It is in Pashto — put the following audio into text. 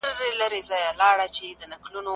زه اوږده وخت ښوونځی ځم؟!